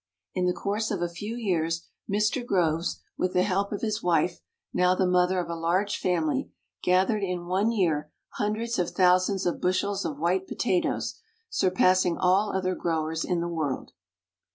In the course of a few years Mr. Groves, with the help of his w T ife, now the mother of a large family, gathered in one year hundreds of thousands of bushels of white potatoes, surpassing all other growers in the world.